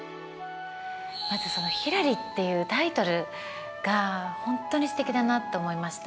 まずその「ひらり」っていうタイトルが本当にすてきだなと思いました。